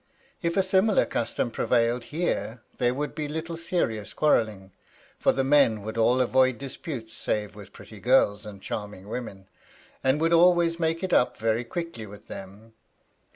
If a similar custom prevailed here there would be little serious quarrelling; for the men would all avoid disputes save with pretty girls and charming women, and would always make it up very quickly with them.